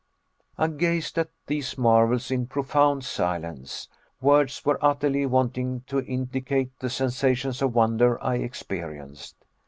I gazed at these marvels in profound silence. Words were utterly wanting to indicate the sensations of wonder I experienced.